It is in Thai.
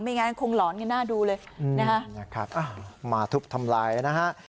งั้นคงหลอนกันหน้าดูเลยนะฮะมาทุบทำลายนะฮะ